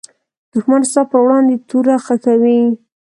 دښمن ستا پر وړاندې توره خښوي